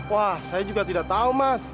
wah saya juga tidak tahu mas